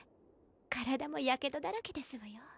体もヤケドだらけですわよ